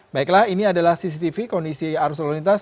baiklah ini adalah cctv kondisi arus lalu lintas